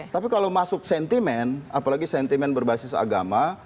tapi kalau masuk sentimen apalagi sentimen berbasis agama